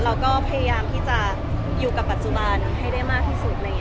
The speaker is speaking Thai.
เราก็พยายามที่จะอยู่กับปัจจุบันให้ได้มากที่สุด